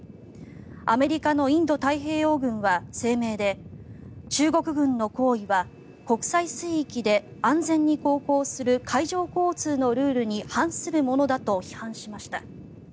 アメリカのインド太平洋軍は声明で中国軍の行為は国際水域で安全に航行する海上交通のルールに反するものだと批判しました。